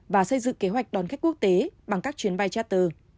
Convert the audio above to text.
và xây dựng kế hoạch đón khách quốc tế bằng các chuyến bay trater